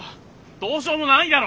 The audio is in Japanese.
どうしようもないだろ！